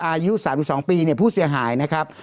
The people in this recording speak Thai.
อายุ๓๒ปีผู้เสียหายนะครับ